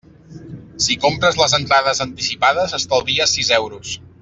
Si compres les entrades anticipades estalvies sis euros.